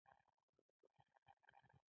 خواړه اوبلن او پستوي.